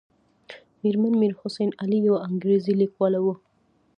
مېرمن میر حسن علي یوه انګریزۍ لیکواله وه.